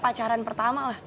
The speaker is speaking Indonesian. pacaran pertama lah